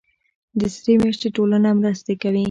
د سرې میاشتې ټولنه مرستې کوي